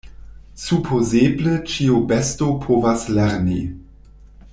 Supozeble ĉiu besto povas lerni.